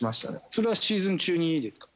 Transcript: それはシーズン中にですか？